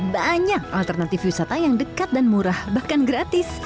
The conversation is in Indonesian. banyak alternatif wisata yang dekat dan murah bahkan gratis